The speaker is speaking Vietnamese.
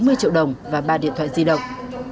một đồng và ba điện thoại di động